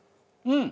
うん。